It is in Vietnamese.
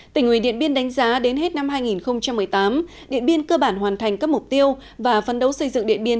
tỉnh ủy điện biên đánh giá đến hết năm hai nghìn một mươi tám điện biên cơ bản hoàn thành các mục tiêu và phân đấu xây dựng điện biên